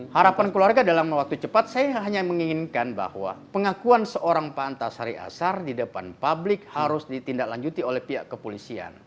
harapan keluarga dalam waktu cepat saya hanya menginginkan bahwa pengakuan seorang pak antasari asar di depan publik harus ditindaklanjuti oleh pihak kepolisian